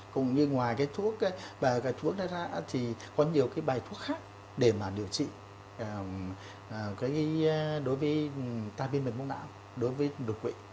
cũng như ngoài cái thuốc bài thuốc đó thì có nhiều cái bài thuốc khác để mà điều trị đối với tai viên mệt mẫu nào đối với đồ quỵ